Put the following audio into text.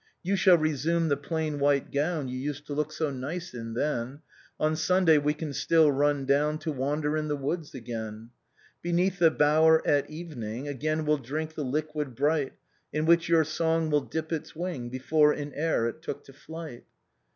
" You shall resume the plain white gowu You used to look so nice in, then; On Sunday we can still run down To wander in the woods again. Beneath the bower, at evening, Afjain we'll drink the liquid bright In which your song will dip its wing Before in air it took to flight."